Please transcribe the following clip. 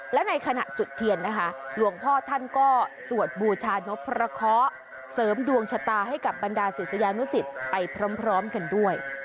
และในขณะจุดเทียนนะคะหลวงพ่อท่านก็สวดบูชานพพระเคาะเสริมดวงชะตาให้กับบรรดาศิษยานุสิตไปพร้อมกันด้วย